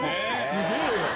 すごい。